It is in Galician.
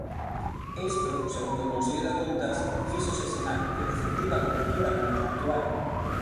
Isto, segundo o Consello de Contas, fíxose sen a preceptiva cobertura contractual.